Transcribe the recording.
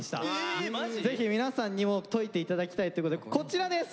ぜひ皆さんにも解いて頂きたいってことでこちらです！